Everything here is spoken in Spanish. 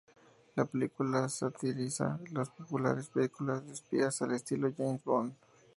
La película satiriza las populares películas de espías al estilo James Bond.